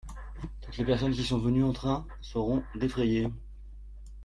Toutes les personnes qui sont venus en train seront défrayées.